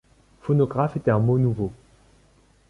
Phonographe était un mot nouveau.